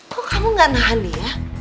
kok kamu gak nahan dia